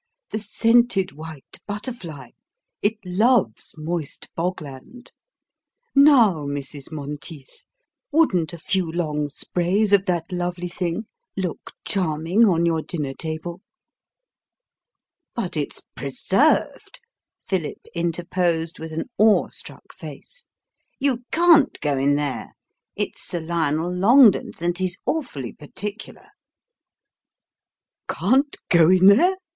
The scented white butterfly! It loves moist bogland. Now, Mrs. Monteith, wouldn't a few long sprays of that lovely thing look charming on your dinner table?" "But it's preserved," Philip interposed with an awestruck face. "You can't go in there: it's Sir Lionel Longden's, and he's awfully particular." "Can't go in there?